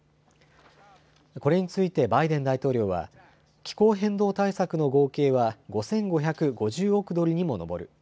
これについてバイデン大統領は気候変動対策の合計は５５５０億ドルにも上る。